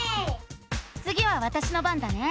つぎはわたしの番だね。